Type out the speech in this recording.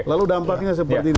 lalu dampaknya seperti ini